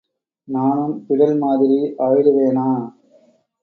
நானும், பிடல் மாதிரி ஆயிடுவேனா.